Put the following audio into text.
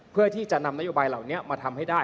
เพื่อที่จะนำนโยบายเหล่านี้มาทำให้ได้